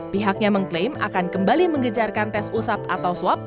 pihaknya mengklaim akan kembali mengejarkan tes usap atau swab